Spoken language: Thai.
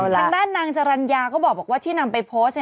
ทางด้านนางจรัญญาก็บอกว่าที่นำไปโพสต์